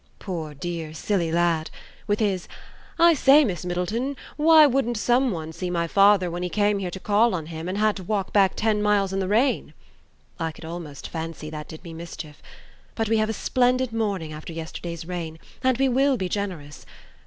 Poor dear silly lad! with his 'I say, Miss Middleton, why wouldn't (some one) see my father when he came here to call on him, and had to walk back ten miles in the rain?' I could almost fancy that did me mischief. .. But we have a splendid morning after yesterday's rain. And we will be generous.